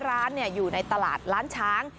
ร้านอยู่ในตลาดล้านช้าง